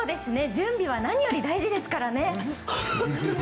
準備は何より大事ですからね！